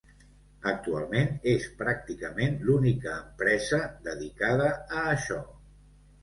Actualment és pràcticament l'única empresa dedicada a això.